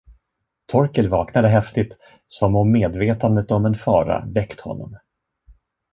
Torkel vaknade häftigt, som om medvetandet om en fara väckt honom.